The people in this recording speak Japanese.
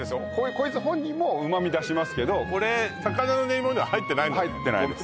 こいつ本人も旨味出しますけどこれ魚の練り物は入ってないのね入ってないです